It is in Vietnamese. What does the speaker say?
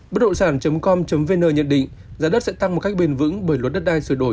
bất động sản com vn nhận định giá đất sẽ tăng một cách bền vững bởi luật đất đai sửa đổi